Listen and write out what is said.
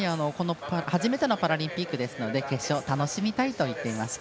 初めてのパラリンピックですので決勝、楽しみたいと言っていました。